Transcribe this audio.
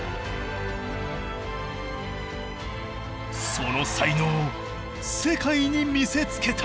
その才能を世界に見せつけた。